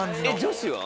女子は？